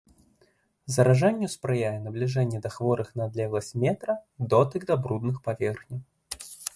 Заражэнню спрыяе набліжэнне да хворых на адлегласць метра і дотык да брудных паверхняў.